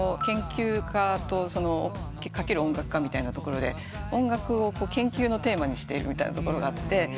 「研究家×音楽家」みたいなところで音楽を研究のテーマにしているみたいなところがあって。